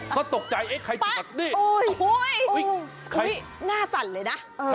ก็ตกใจไอ้ไอ้ใครจุดแบบนี้โอ้ยน่าสั่นเลยนะ